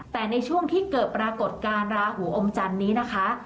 แต่ในช่วงที่เกิดปรากฏการณ์ราหูอมจันทร์นี้นะคะ